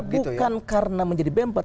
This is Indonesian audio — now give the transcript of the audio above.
jadi kita bukan karena menjadi bemper